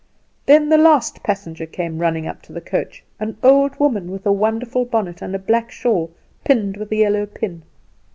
Then the last passenger came running up to the coach an old woman with a wonderful bonnet, and a black shawl pinned with a yellow pin.